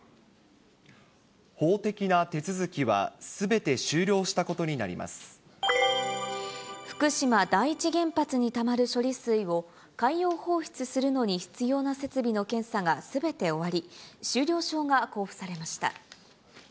法的な手続きはすべて終了し福島第一原発にたまる処理水を、海洋放出するのに必要な設備の検査がすべて終わり、終了証が交付されました。